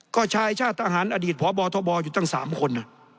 ก็ชายชาติทหารอดีตพบทบอยู่ตั้ง๓คน